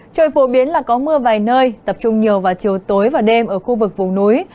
trời phổ biến là có mưa vài nơi tập trung nhiều vào chiều tối và đêm ở khu vực vùng núi